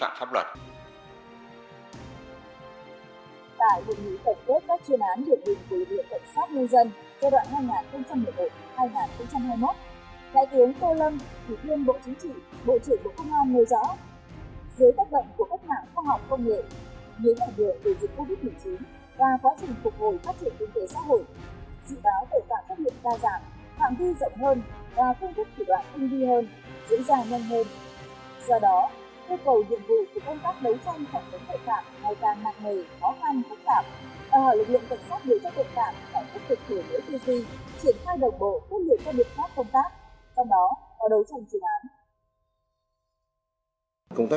hoạng vi rộng hơn và phương thức